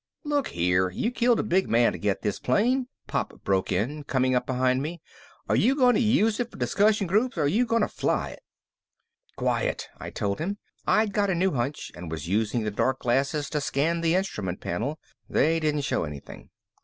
"Look here, you killed a big man to get this plane," Pop broke in, coming up behind me. "Are you going to use it for discussion groups or are you going to fly it?" "Quiet," I told him. I'd got a new hunch and was using the dark glasses to scan the instrument panel. They didn't show anything.